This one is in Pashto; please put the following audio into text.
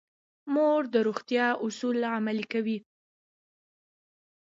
مور د روغتیا اصول عملي کوي.